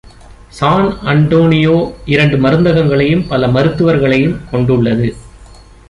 San Antonio இரண்டு மருந்தகங்களையும் பல மருத்துவர்களையும் கொண்டுள்ளது.